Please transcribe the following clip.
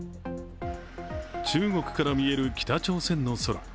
中国から見える北朝鮮の空。